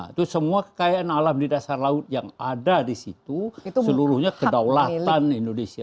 itu semua kekayaan alam di dasar laut yang ada di situ seluruhnya kedaulatan indonesia